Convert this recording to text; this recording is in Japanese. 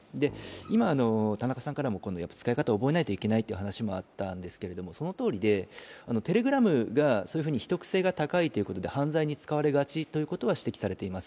今、田中さんからも使い方を覚えなきゃいけないという話もあったんですけど、そのとおりで、Ｔｅｌｅｇｒａｍが秘匿性が高いということで犯罪に使われがちということは指摘されています。